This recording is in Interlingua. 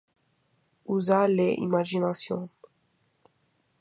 Usa le imagination.